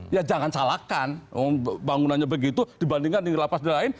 ya jangan salahkan bangunannya begitu dibandingkan di lapas lain